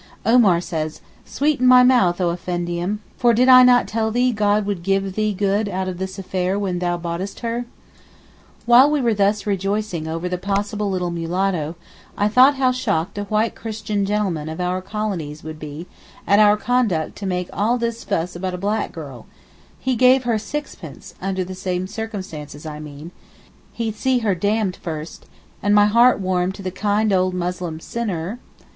Omar says, 'Sweeten my mouth, oh Effendim, for did I not tell thee God would give thee good out of this affair when thou boughtest her?' While we were thus rejoicing over the possible little mulatto, I thought how shocked a white Christian gentleman of our Colonies would be at our conduct to make all this fuss about a black girl—'he give her sixpence' (under the same circumstances I mean) 'he'd see her d d first,' and my heart warmed to the kind old Muslim sinner